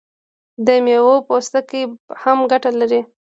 د میوو پوستکي هم ګټه لري.